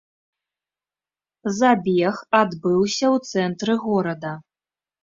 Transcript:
Забег адбываўся ў цэнтры горада.